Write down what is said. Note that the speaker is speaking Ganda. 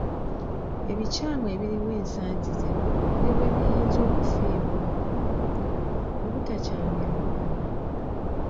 Ebikyamu ebiriwo ensangi zino ne bwe biyinza okufiibwako obutakyamya mwana